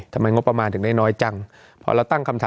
ทำไมงบประมาณถึงได้น้อยจัง